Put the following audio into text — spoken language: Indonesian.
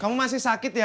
kamu masih sakit ya